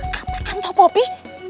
kamu makan tau poppy